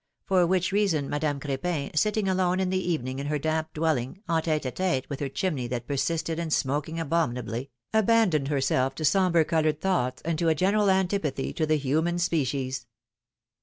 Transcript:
For which reason, Madame Crepin, sitting alone in the evening in her damp dwelling, en tHe d tete with her chimney that persisted in smoking abominably, abandoned herself to sombre colored thoughts, and to a general antipathy to the human species.